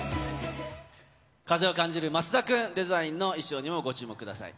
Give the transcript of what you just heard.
風を感じる増田君デザインの衣装にもご注目ください。